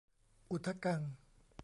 อุทะกัง